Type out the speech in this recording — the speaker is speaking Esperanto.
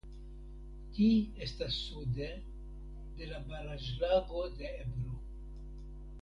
Ĝi estas sude de la Baraĵlago de Ebro.